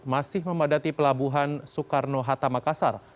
masih memadati pelabuhan soekarno hatta makassar